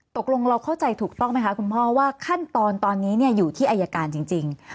ตกลงเราเข้าใจถูกต้องไหมคะคุณพ่อว่าขั้นตอนตอนนี้อยู่ที่อายการจริง